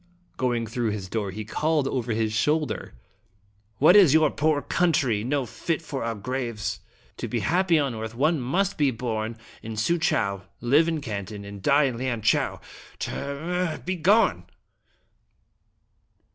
" Going through his door, he called over his shoulder: " What is your poor country? Not fit for our graves ! To be happy on earth one must be born in Suchow, live in Canton, and die in Lianchau. T r r r! Begone!"